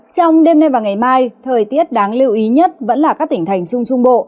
trong đêm nay và ngày mai thời tiết đáng lưu ý nhất vẫn là các tỉnh thành trung trung bộ